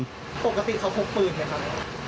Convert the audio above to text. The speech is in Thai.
ปกติเขาพกปืนไงครับ